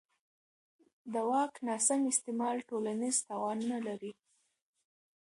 د واک ناسم استعمال ټولنیز تاوانونه لري